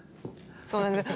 そうなんですよ